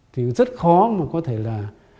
thì rất khó mà có thể là